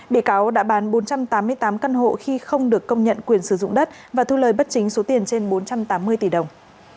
bị cáo đã bán bốn trăm tám mươi tám căn hộ khi không được công nhận quyền sử dụng đất và thu lời bất chính số tiền trên bốn trăm tám mươi tỷ đồng